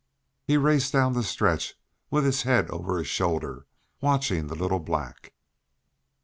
He raced down the stretch with his head over his shoulder watching the little black.